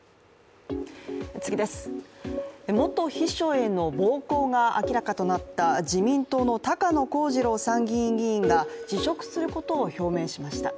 元秘書への暴行が明らかとなった自民党の高野光二郎参議院議員が辞職することを表明しました。